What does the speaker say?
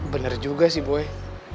bener juga sih boy